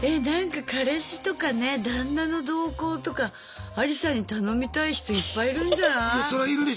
なんか彼氏とかね旦那の動向とかアリサに頼みたい人いっぱいいるんじゃない？